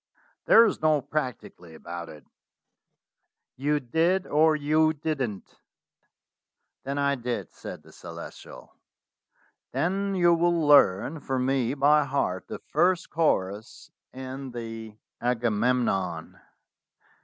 "There is no 'practically' about it. You did or you didn't." "Then I did," said the Celestial. "Then you will learn for me by heart the first chorus in the 'Agamemnon.'